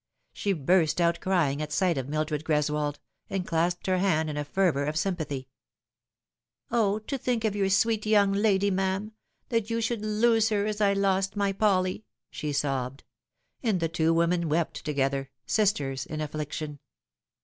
She burst out crying at sight of Mildred Greswold, and clasped her hand in a fervour of sympathy. " O, to think of your sweet young lady, ma'am 1 that you should lose her, as I lost my Polly !" she sobbed ; and the two women wept together sisters in affliction.